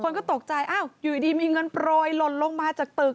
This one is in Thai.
คนก็ตกใจอ้าวอยู่ดีมีเงินโปรยหล่นลงมาจากตึก